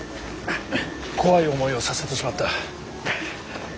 怖い思いをさせてしまった。